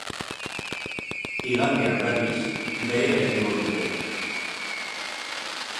Igandean, berriz, behera egingo dute.